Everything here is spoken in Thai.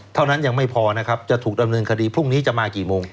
เท่านั้นยังไม่พอนะครับจะถูกดำเนินคดีพรุ่งนี้จะมากี่โมง